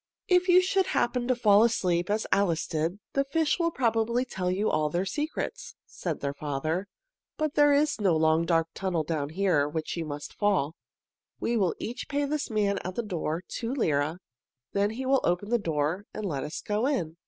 "If you should happen to fall asleep, as Alice did, the fish will probably tell you all their secrets," said her father. "But there is no long, dark tunnel here down which you must fall. We will each pay this man at the door two lire, then he will open the door and let us go in."